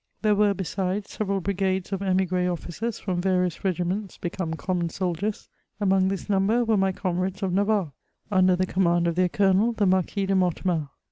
There were, he sides, several brigades of imigre officers from various regiments become common soldiers ; among this number were my com rades of Navarre^ under the command of their colonel the Marquis de Mortemart.